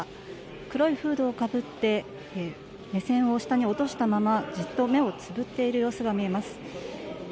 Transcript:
黒いフードをかぶって目線を下に落としたままじっと目をつむっている様子が見えます。